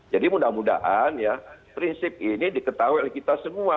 jadi mudah mudahan ya prinsip ini diketahui oleh kita semua